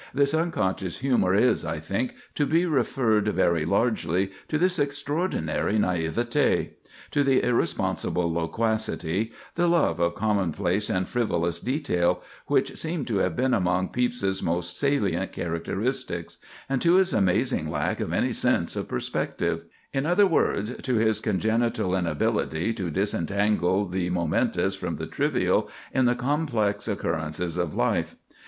This unconscious humor is, I think, to be referred very largely to this extraordinary naïveté; to the irresponsible loquacity, the love of commonplace and frivolous detail, which seem to have been among Pepys's most salient characteristics, and to his amazing lack of any sense of perspective—in other words, to his congenital inability to disentangle the momentous from the trivial in the complex occurrences of life.